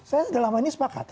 saya dalam hal ini sepakat